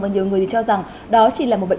yên độ nó quá lạnh